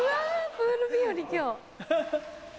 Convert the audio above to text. プール日和今日。